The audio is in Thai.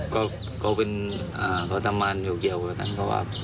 ก็ทำมาระยะเยี่ยวแล้ว